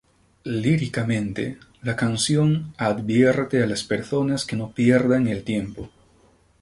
Líricamente, la canción advierte a las personas que no pierdan el tiempo.